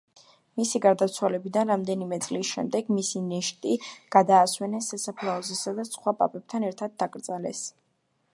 მისი გარდაცვალებიდან რამდენიმე წლის შემდეგ, მისი ნეშტი გადაასვენეს სასაფლაოზე, სადაც სხვა პაპებთან ერთად დაკრძალეს.